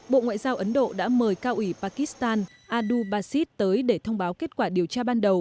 bộ ngoại giao ấn độ đã mời cao ủy pakistan adu basis tới để thông báo kết quả điều tra ban đầu